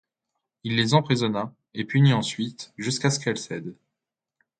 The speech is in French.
Il les emprisonna et punit ensuite jusqu'à ce qu'elles cèdent.